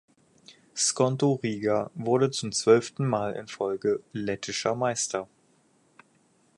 Skonto Riga wurde zum zwölften Mal in Folge lettischer Meister.